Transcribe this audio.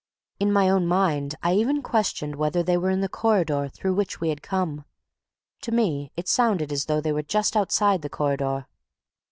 In my own mind I even questioned whether they were in the corridor through which we had come; to me it sounded as though they were just outside the corridor.